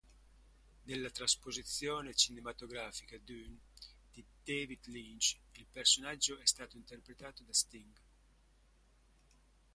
Nella trasposizione cinematografica "Dune" di David Lynch il personaggio è stato interpretato da Sting.